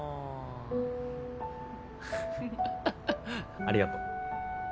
ハハハありがとう。